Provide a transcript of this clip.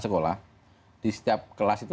sekolah di setiap kelas itu